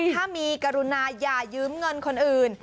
ถ้ามีกรุณาอย่ายืมเงินคนอื่น